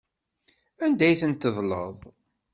Anda ay ten-tedleḍ?